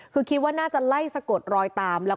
คือคิดว่าน่าจะไล่สะกดรอยตาม